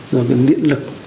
rồi điện lực